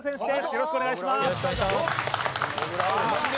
よろしくお願いします